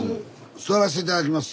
座らせて頂きます。